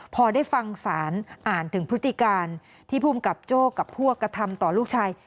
พอได้ฟังสารอ่านถึงพฤติการที่ภูมิกับโจ้กับพวกกระทำต่อลูกชาย